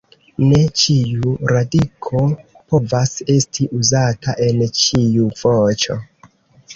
Ne ĉiu radiko povas esti uzata en ĉiu voĉo.